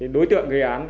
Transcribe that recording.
đối tượng gây án